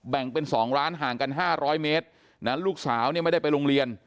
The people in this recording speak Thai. แบ่งเป็น๒ร้านห่างกัน๕๐๐เมตรนั้นลูกสาวเนี่ยไม่ได้ไปโรงเรียน